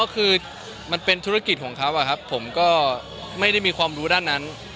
คือมันเป็นธุรกิจของเขาผมก็ไม่ได้มีความรู้ด้านนั้น